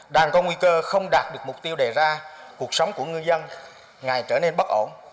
đang có nguy cơ không đạt được mục tiêu đề ra cuộc sống của ngư dân ngày trở nên bất ổn